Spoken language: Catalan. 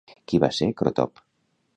Qui va ser Crotop?